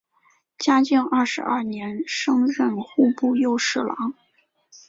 嘉靖二十二年升任户部右侍郎。